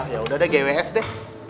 ya udah deh gws deh